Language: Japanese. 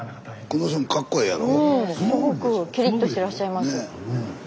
スタジオうんすごくキリッとしてらっしゃいます。